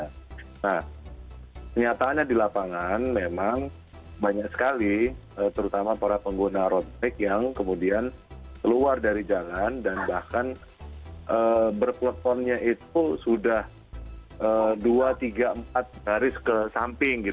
nah kenyataannya di lapangan memang banyak sekali terutama para pengguna road bike yang kemudian keluar dari jalan dan bahkan berplatformnya itu sudah dua tiga empat garis ke samping